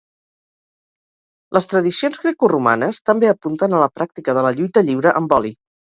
Les tradicions grecoromanes també apunten a la pràctica de la lluita lliure amb oli.